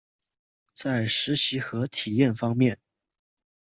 在实习和体验方面